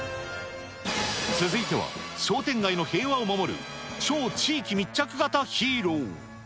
続いては、商店街の平和を守る超地域密着型ヒーロー。